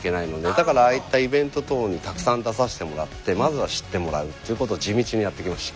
だからああいったイベント等にたくさん出させてもらってまずは知ってもらうっていうことを地道にやってきました。